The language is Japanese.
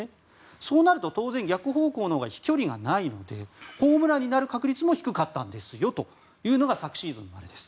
そうなると当然逆方向のほうが飛距離がないのでホームランになる確率も低かったんですよというのが昨シーズンまでです。